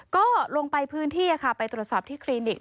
ก็ลงไปพื้นที่ไปตรวจสอบที่คลินิก